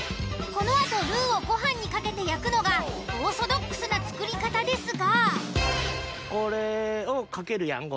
このあとルーをご飯にかけて焼くのがオーソドックスな作り方ですが。